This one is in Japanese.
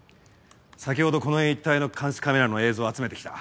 先ほどこの辺一帯の監視カメラの映像を集めて来た。